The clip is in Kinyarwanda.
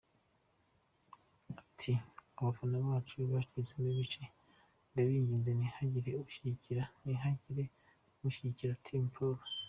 Ati « Ubu abafana bacu bacitsemo ibice, ndabinginze ntihagire ubishyigikira, ntihagire ushyigikira Team Paul.